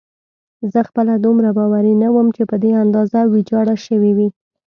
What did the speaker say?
زه خپله دومره باوري نه وم چې په دې اندازه ویجاړه شوې وي.